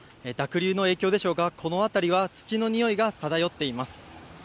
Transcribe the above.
濁流の影響でしょうかこのあたりは土のにおいが漂っています。